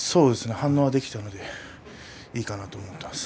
反応できたのでいいかなと思ったんです。